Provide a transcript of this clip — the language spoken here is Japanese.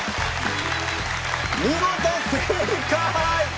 見事正解！